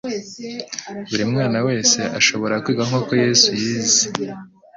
Buri mwana wese ashobora kwiga nk'uko Yesu yize.